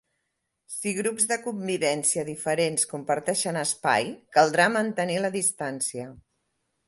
Si grups de convivència diferents comparteixen espai, caldrà mantenir la distància.